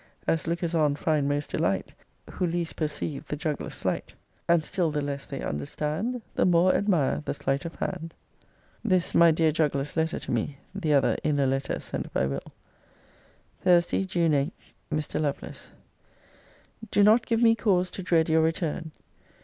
As lookers on find most delight, Who least perceive the juggler's sleight; And still the less they understand, The more admire the slight of hand. This my dear juggler's letter to me; the other inner letter sent by Will. THURSDAY, JUNE 8. MR. LOVELACE, Do not give me cause to dread your return.